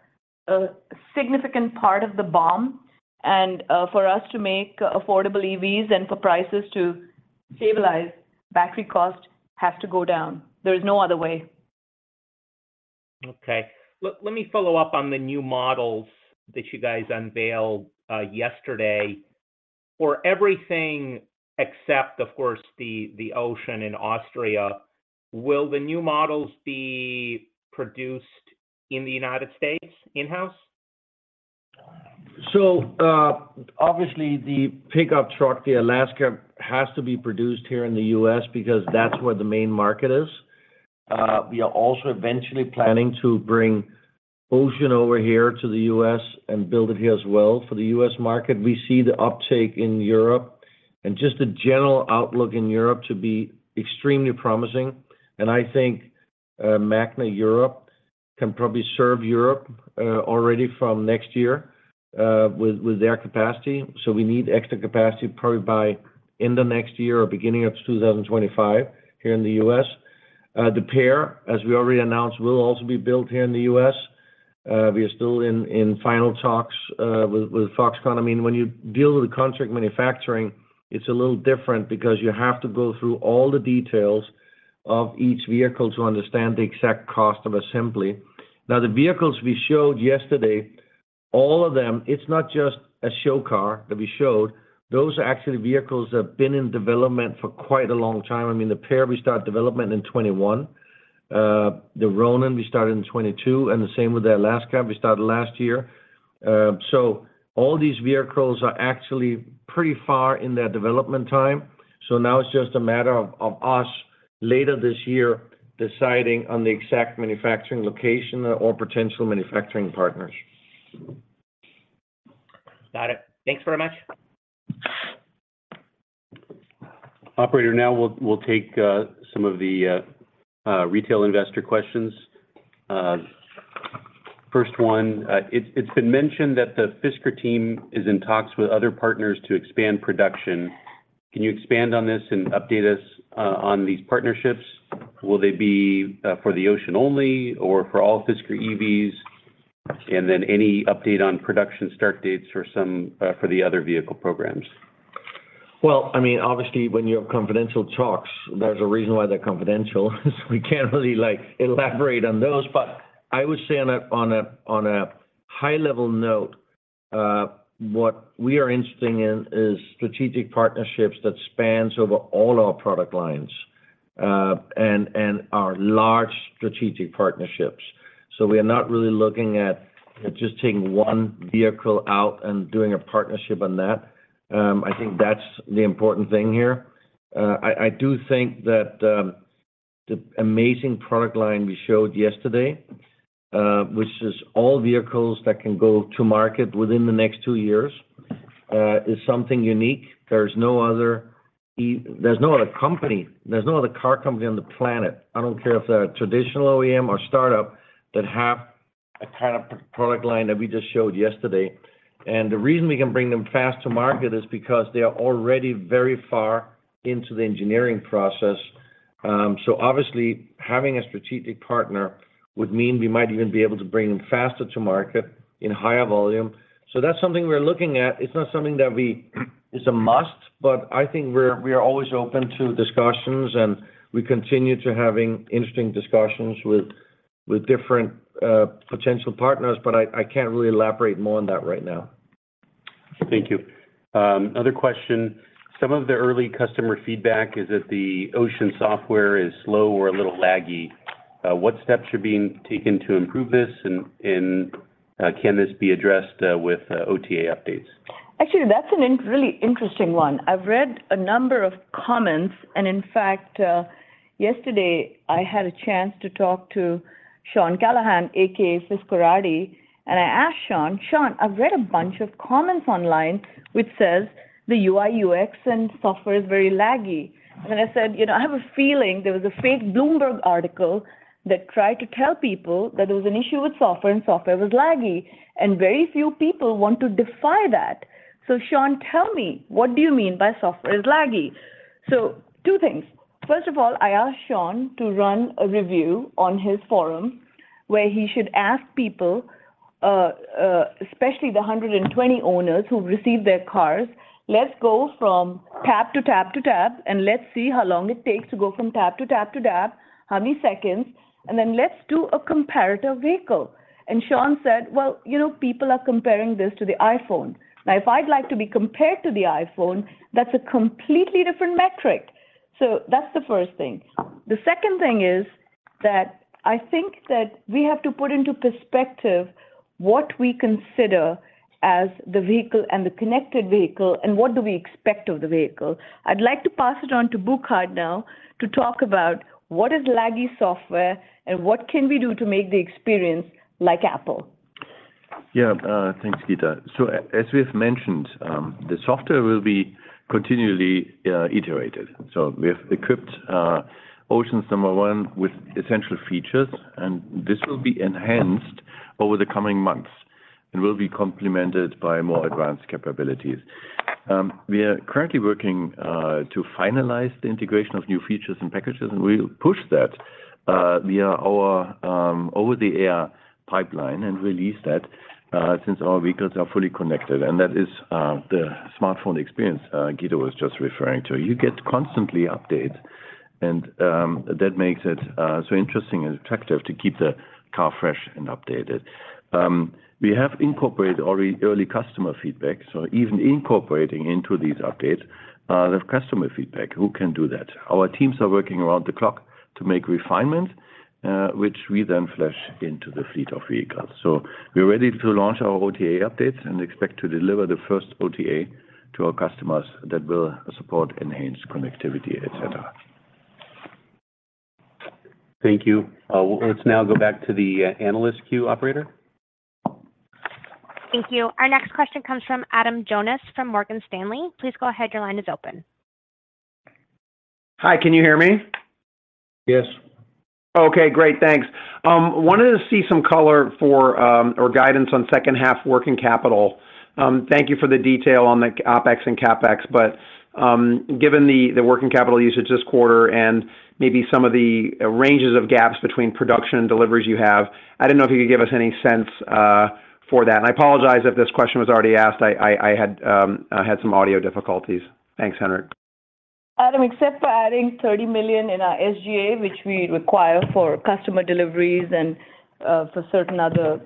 a significant part of the BOM, and for us to make affordable EVs and for prices to stabilize, battery cost has to go down. There is no other way. Okay. Let me follow up on the new models that you guys unveiled yesterday. For everything, except, of course, the Ocean in Austria, will the new models be produced in the United States, in-house? Obviously, the pickup truck, the Alaska, has to be produced here in the US because that's where the main market is. We are also eventually planning to bring Ocean over here to the US and build it here as well. For the US market, we see the uptake in Europe and just the general outlook in Europe to be extremely promising, and I think Magna Europe can probably serve Europe already from next year with, with their capacity. So we need extra capacity probably by end of next year or beginning of 2025 here in the US The Pear, as we already announced, will also be built here in the US We are still in, in final talks with, with Foxconn. I mean, when you deal with contract manufacturing, it's a little different because you have to go through all the details of each vehicle to understand the exact cost of assembly. Now, the vehicles we showed yesterday, all of them, it's not just a show car that we showed. Those are actually vehicles that have been in development for quite a long time. I mean, the PEAR, we started development in 2021. The Ronin, we started in 2022, and the same with the Alaska, we started last year. All these vehicles are actually pretty far in their development time. Now it's just a matter of us, later this year, deciding on the exact manufacturing location or potential manufacturing partners. Got it. Thanks very much. Operator, now we'll, we'll take some of the retail investor questions. First one, "It's, it's been mentioned that the Fisker team is in talks with other partners to expand production. Can you expand on this and update us on these partnerships? Will they be for the Ocean only or for all Fisker EVs? Then, any update on production start dates for the other vehicle programs? Well, I mean, obviously, when you have confidential talks, there's a reason why they're confidential, so we can't really, like, elaborate on those. I would say on a, on a, on a high-level note, what we are interested in is strategic partnerships that spans over all our product lines, and, and are large strategic partnerships. We are not really looking at just taking one vehicle out and doing a partnership on that. I think that's the important thing here. I do think that the amazing product line we showed yesterday, which is all vehicles that can go to market within the next two years, is something unique. There's no other there's no other company, there's no other car company on the planet, I don't care if they're a traditional OEM or startup, that have a kind of product line that we just showed yesterday. Obviously, having a strategic partner would mean we might even be able to bring them faster to market in higher volume. That's something we're looking at. It's not something that is a must, but I think we are always open to discussions, and we continue to having interesting discussions with, with different potential partners. I can't really elaborate more on that right now. Thank you. Another question: "Some of the early customer feedback is that the Ocean software is slow or a little laggy. What steps are being taken to improve this, can this be addressed with OTA updates? Actually, that's a really interesting one. I've read a number of comments, and in fact, yesterday I had a chance to talk to Sean Callahan, AKA Fiskerati, and I asked Sean: "Sean, I've read a bunch of comments online which says the UI, UX, and software is very laggy." I said, "You know, I have a feeling there was a fake Bloomberg article that tried to tell people that there was an issue with software, and software was laggy, and very few people want to defy that. Sean, tell me, what do you mean by software is laggy?" Two things. First of all, I asked Sean to run a review on his forum, where he should ask people, especially the 120 owners who've received their cars, "Let's go from tap to tap to tap, and let's see how long it takes to go from tap to tap to tap, how many seconds, and then let's do a comparative vehicle." Sean said, "Well, you know, people are comparing this to the iPhone. Now, if I'd like to be compared to the iPhone, that's a completely different metric." That's the first thing. The second thing is that I think that we have to put into perspective what we consider as the vehicle and the connected vehicle, and what do we expect of the vehicle. I'd like to pass it on to Burkhard now to talk about what is laggy software, and what can we do to make the experience like Apple? Yeah, thanks, Geeta. As we have mentioned, the software will be continually iterated. We have equipped Ocean One with essential features, and this will be enhanced over the coming months and will be complemented by more advanced capabilities. We are currently working to finalize the integration of new features and packages, and we'll push that via our over-the-air pipeline and release that since our vehicles are fully connected. That is the smartphone experience Geeta was just referring to. You get constantly update, and that makes it so interesting and attractive to keep the car fresh and updated. We have incorporated early, early customer feedback, so even incorporating into these updates, the customer feedback. Who can do that? Our teams are working around the clock to make refinements, which we then flush into the fleet of vehicles. We're ready to launch our OTA updates and expect to deliver the first OTA to our customers that will support enhanced connectivity, et cetera. Thank you. Well, let's now go back to the analyst queue operator. Thank you. Our next question comes from Adam Jonas from Morgan Stanley. Please go ahead. Your line is open. Hi, can you hear me? Yes. Okay, great. Thanks. Wanted to see some color for, or guidance on second half working capital. Thank you for the detail on the OpEx and CapEx, but given the working capital usage this quarter and maybe some of the ranges of gaps between production and deliveries you have, I didn't know if you could give us any sense for that. I apologize if this question was already asked. I had some audio difficulties. Thanks, Henrik. Adam, except for adding $30 million in our SG&A, which we require for customer deliveries and for certain other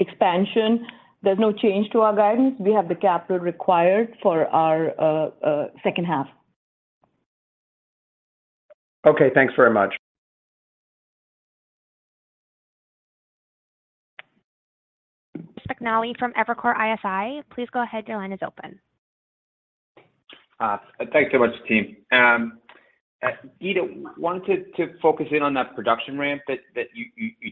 expansion, there's no change to our guidance. We have the capital required for our second half. Okay, thanks very much. Chris McNally from Evercore ISI, please go ahead. Your line is open. Thanks so much, team. Geeta, wanted to focus in on that production ramp that you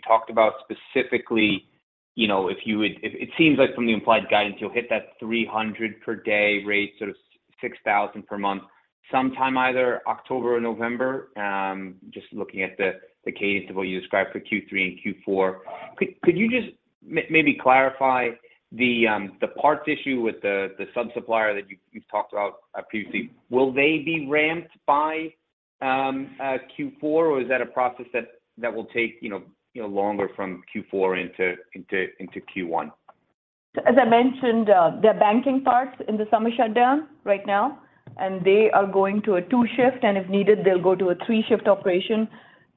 talked about specifically, you know, if you would. It seems like from the implied guidance, you'll hit that 300 per day rate, sort of 6,000 per month, sometime either October or November, just looking at the case of what you described for third quarter and fourth quarter. Could you just maybe clarify the parts issue with the sub-supplier that you've talked about previously? Will they be ramped by fourth quarter, or is that a process that will take, you know, you know, longer from fourth quarter into first quarter? As I mentioned, they're banking parts in the summer shutdown right now, and they are going to a two-shift, and if needed, they'll go to a three-shift operation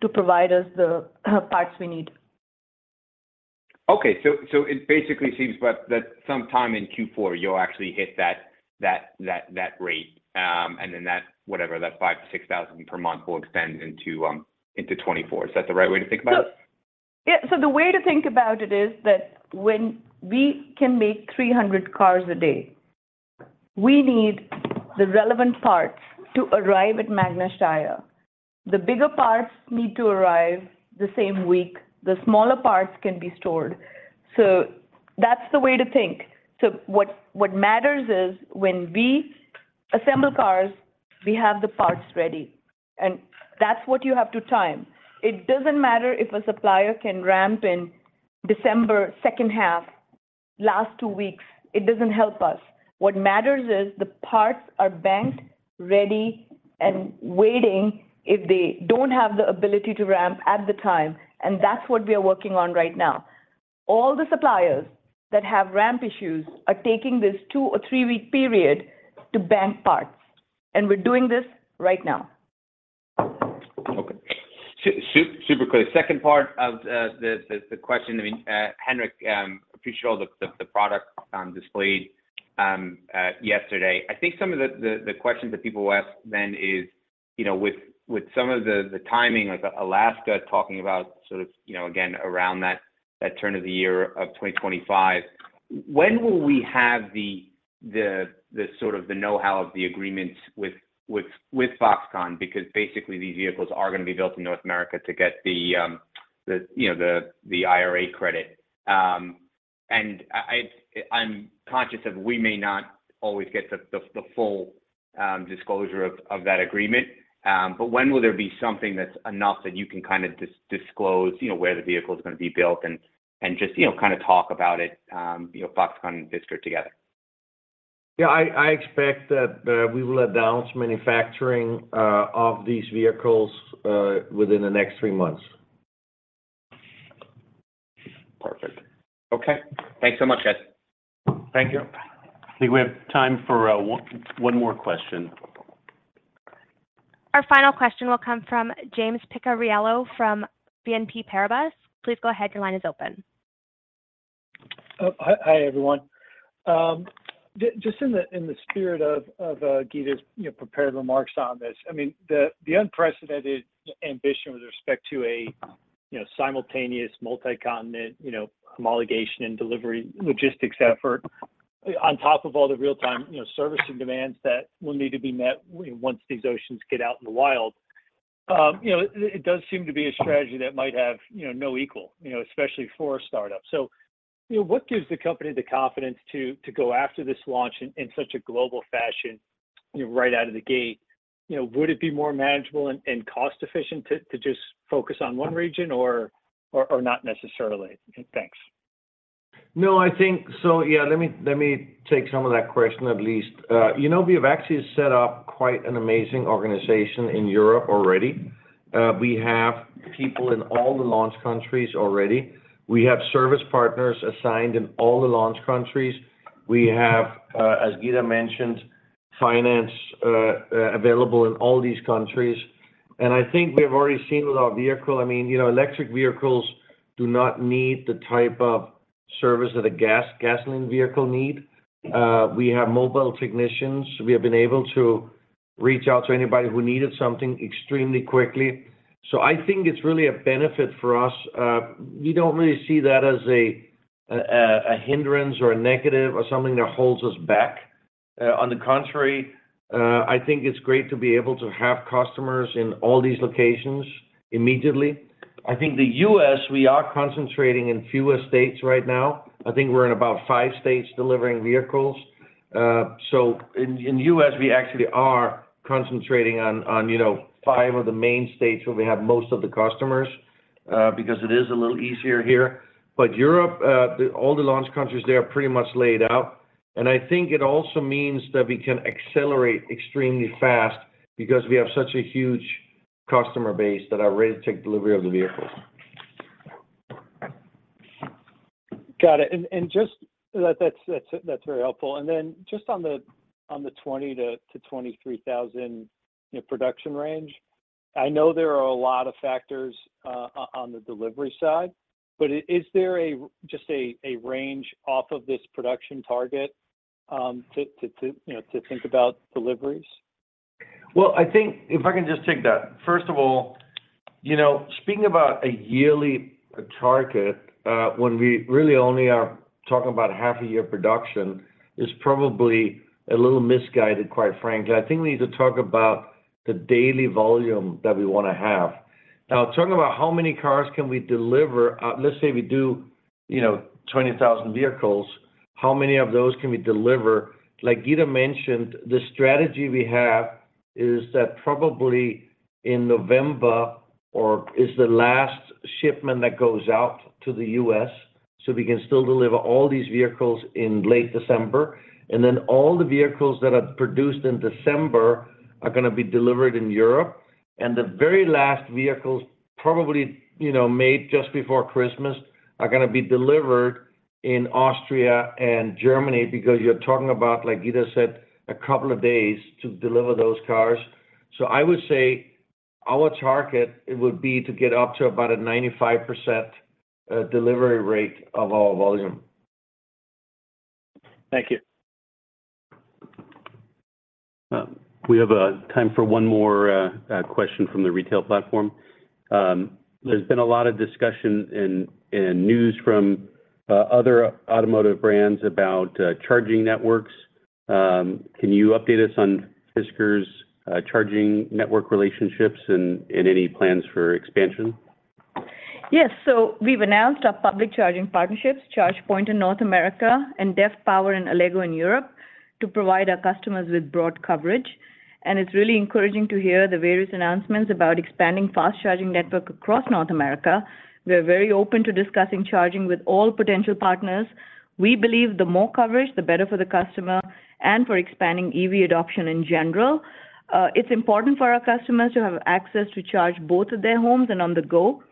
to provide us the parts we need. Okay. So, it basically seems that, that sometime in fourth quarter, you'll actually hit that, that, that, that rate, and then that, whatever, that 5,000 to 6,000 per month will extend into, into 2024. Is that the right way to think about it? Yeah, the way to think about it is that when we can make 300 cars a day, we need the relevant parts to arrive at Magna Steyr. The bigger parts need to arrive the same week. The smaller parts can be stored. That's the way to think. What, what matters is when we assemble cars, we have the parts ready, and that's what you have to time. It doesn't matter if a supplier can ramp in December, second half, last two weeks, it doesn't help us. What matters is the parts are banked, ready, and waiting if they don't have the ability to ramp at the time, and that's what we are working on right now. All the suppliers that have ramp issues are taking this two or three-week period to bank parts, and we're doing this right now. Okay. Super clear. Second part of the question, I mean, Henrik, appreciate all the product displayed yesterday. I think some of the questions that people will ask then is, you know, with some of the timing, like Alaska talking about sort of, you know, again, around that turn of the year of 2025, when will we have the sort of the know-how of the agreements with Foxconn? Because basically, these vehicles are going to be built in North America to get the, you know, the IRA credit. I'm conscious that we may not always get the, the, the full disclosure of, of that agreement, but when will there be something that's enough that you can kind of disclose, you know, where the vehicle is going to be built and, and just, you know, kind of talk about it, you know, Foxconn and Fisker together? Yeah, I expect that we will announce manufacturing of these vehicles within the next three months. Perfect. Okay. Thanks so much, guys. Thank you. I think we have time for one more question. Our final question will come from James Picariello from BNP Paribas. Please go ahead. Your line is open. Oh, hi, everyone. Just in the, in the spirit of, of Geeta's, you know, prepared remarks on this, I mean, the, the unprecedented ambition with respect to a, you know, simultaneous, multi-continent, you know, homologation and delivery logistics effort on top of all the real-time, you know, servicing demands that will need to be met once these Oceans get out in the wild. You know, it, it does seem to be a strategy that might have, you know, no equal, you know, especially for a startup. What gives the company the confidence to, to go after this launch in, in such a global fashion, you know, right out of the gate? You know, would it be more manageable and, and cost efficient to, to just focus on one region or, or, or not necessarily? Thanks. No, I think so, yeah, let me, let me take some of that question, at least. You know, we have actually set up quite an amazing organization in Europe already. We have people in all the launch countries already. We have service partners assigned in all the launch countries. We have, as Gita mentioned, finance, available in all these countries. I think we have already seen with our vehicle, I mean, you know, electric vehicles do not need the type of service that a gasoline vehicle need. We have mobile technicians. We have been able to reach out to anybody who needed something extremely quickly. I think it's really a benefit for us. We don't really see that as a hindrance or a negative or something that holds us back. On the contrary, I think it's great to be able to have customers in all these locations immediately. I think the US, we are concentrating in fewer states right now. I think we're in about five states delivering vehicles. In US, we actually are concentrating on, you know, five of the main states where we have most of the customers, because it is a little easier here. Europe, the all the launch countries there are pretty much laid out. I think it also means that we can accelerate extremely fast because we have such a huge customer base that are ready to take delivery of the vehicles. Got it. Just that, that's very helpful. Then just on the, on the 20,000 to 23,000, you know, production range, I know there are a lot of factors, on the delivery side, but is there a, just a, a range off of this production target, to, you know, to think about deliveries? I think if I can just take that. First of all, you know, speaking about a yearly target, when we really only are talking about half a year production, is probably a little misguided, quite frankly. I think we need to talk about the daily volume that we wanna have. Now, talking about how many cars can we deliver, let's say we do, you know, 20,000 vehicles, how many of those can we deliver? Like Gita mentioned, the strategy we have is that probably in November or is the last shipment that goes out to the US, so we can still deliver all these vehicles in late December. Then all the vehicles that are produced in December are gonna be delivered in Europe. The very last vehicles, probably, you know, made just before Christmas, are gonna be delivered in Austria and Germany, because you're talking about, like Gita said, a couple of days to deliver those cars. I would say our target, it would be to get up to about a 95% delivery rate of our volume. Thank you. We have time for one more question from the retail platform. There's been a lot of discussion and news from other automotive brands about charging networks. Can you update us on Fisker's charging network relationships and any plans for expansion? Yes. We've announced our public charging partnerships, ChargePoint in North America, DEFA Power and Allego in Europe, to provide our customers with broad coverage. It's really encouraging to hear the various announcements about expanding fast charging network across North America. We're very open to discussing charging with all potential partners. We believe the more coverage, the better for the customer and for expanding EV adoption in general. It's important for our customers to have access to charge both at their homes and on the go.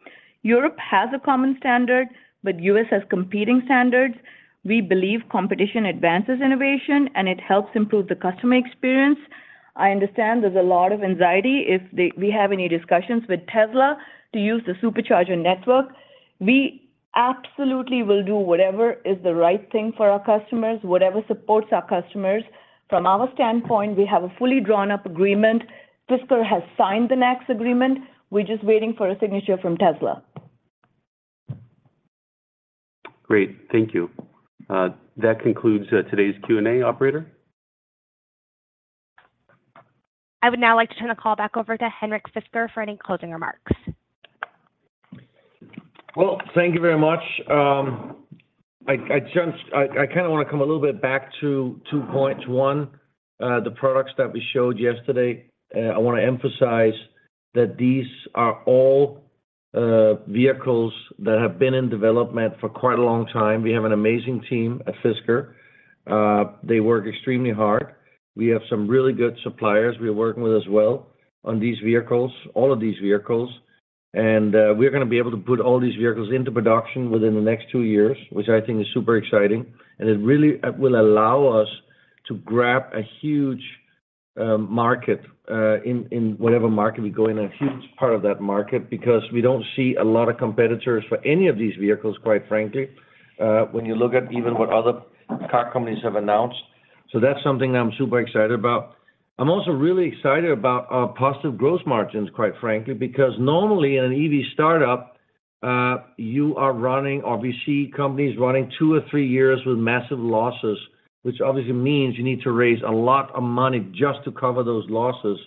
Europe has a common standard, but US has competing standards. We believe competition advances innovation, and it helps improve the customer experience. I understand there's a lot of anxiety if we have any discussions with Tesla to use the Supercharger network. We absolutely will do whatever is the right thing for our customers, whatever supports our customers. From our standpoint, we have a fully drawn up agreement. Fisker has signed the next agreement. We're just waiting for a signature from Tesla. Great, thank you. That concludes today's Q&A, operator. I would now like to turn the call back over to Henrik Fisker for any closing remarks. Well, thank you very much. I kinda wanna come a little bit back to two points. One, the products that we showed yesterday, I wanna emphasize that these are all vehicles that have been in development for quite a long time. We have an amazing team at Fisker. They work extremely hard. We have some really good suppliers we're working with as well on these vehicles, all of these vehicles. We're gonna be able to put all these vehicles into production within the next two years, which I think is super exciting. It really will allow us to grab a huge market in whatever market we go in, a huge part of that market, because we don't see a lot of competitors for any of these vehicles, quite frankly, when you look at even what other car companies have announced. That's something that I'm super excited about. I'm also really excited about our positive growth margins, quite frankly, because normally in an EV startup, you are running, or VC companies, running two or three years with massive losses, which obviously means you need to raise a lot of money just to cover those losses.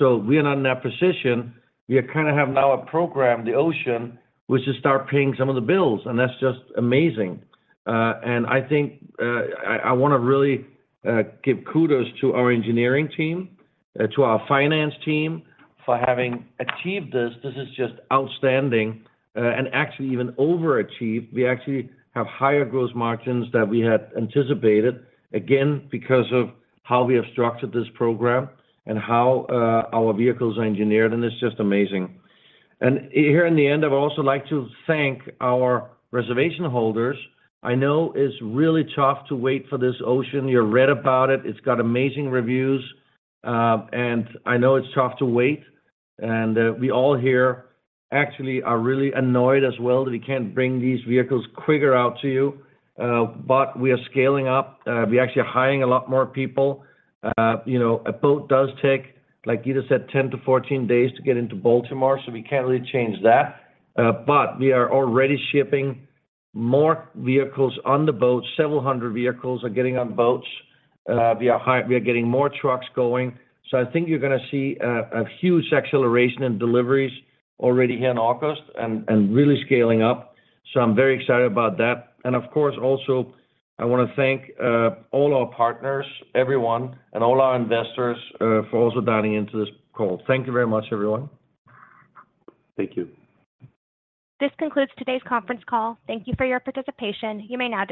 We are not in that position. We kind of have now a program, the Ocean, which will start paying some of the bills, and that's just amazing. I think, I wanna really give kudos to our engineering team, to our finance team, for having achieved this. This is just outstanding, and actually even overachieved. We actually have higher gross margins than we had anticipated, again, because of how we have structured this program and how our vehicles are engineered, and it's just amazing. Here in the end, I'd also like to thank our reservation holders. I know it's really tough to wait for this Ocean. You read about it. It's got amazing reviews, and I know it's tough to wait, and we all here actually are really annoyed as well that we can't bring these vehicles quicker out to you. We are scaling up. We actually are hiring a lot more people. you know, a boat does take, like Geeta said, 10 to 14 days to get into Baltimore, so we can't really change that. We are already shipping more vehicles on the boat. Several hundred vehicles are getting on boats. We are getting more trucks going. I think you're gonna see a huge acceleration in deliveries already here in August and really scaling up. I'm very excited about that. Of course, also, I wanna thank all our partners, everyone, and all our investors for also dialing into this call. Thank you very much, everyone. Thank you. This concludes today's conference call. Thank you for your participation. You may now disconnect.